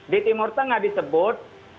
di timur tengah disebut